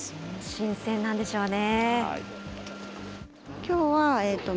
新鮮なんでしょうね。